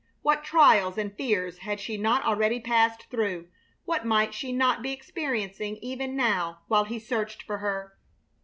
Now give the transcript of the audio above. What trials and fears had she not already passed through! What might she not be experiencing even now while he searched for her?